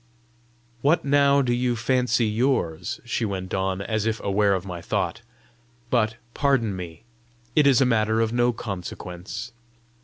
"What now do you fancy yours?" she went on, as if aware of my thought. "But, pardon me, it is a matter of no consequence."